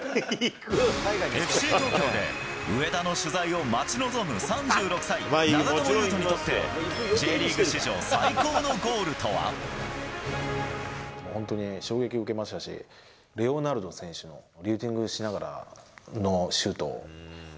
ＦＣ東京で、上田の取材を待ち望む３６歳、長友佑都にとって、Ｊリーグ史上本当に衝撃を受けましたし、レオナルド選手のリフティングしながらのシュート。